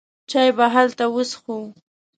چای به هلته وڅېښو.